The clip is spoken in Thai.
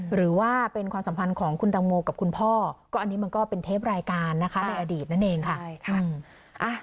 หรือว่าเป็นความสัมพันธ์ของคุณตังโมกับคุณพ่อก็อันนี้มันก็เป็นเทปรายการนะคะในอดีตนั่นเองค่ะ